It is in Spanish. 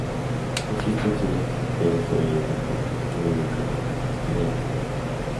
No existen cifras certeras sobre la derrama económica de la Estrella de Puebla.